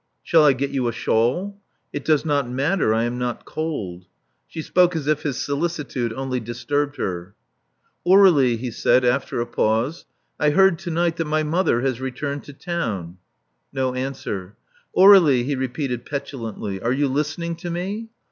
'* Shall I get you a shawl?" It does not matter: I am not cold." She spoke as if his solicitude only disturbed her. Aur61ie," he said, after a pause: '*I heard to night that my mother has returned to town." No answer. Aur61ie," he repeated petulantly. "Are you listening to me?"